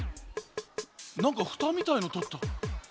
なんかふたみたいのとった。